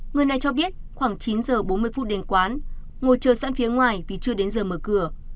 người này cho biết khoảng chín giờ bốn mươi phút đến quán ngồi chờ sẵn phía ngoài vì chưa đến giờ mở cửa